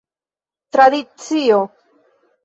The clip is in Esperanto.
Tradicio.